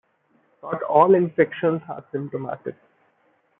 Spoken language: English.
Not all infections are symptomatic.